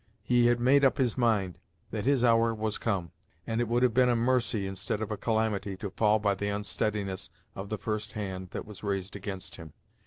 He had made up his mind that his hour was come, and it would have been a mercy, instead of a calamity, to fall by the unsteadiness of the first hand that was raised against him.